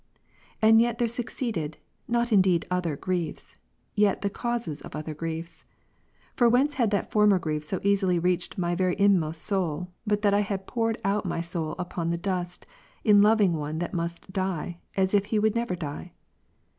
And yet there succeeded, not indeed other griefs, yet the causes of other griefs p. For whence had that former grief so easily reached my very inmost soul, but that I hadpouredout my soul uponthe dust, in loving one thatmust die, as if he would never die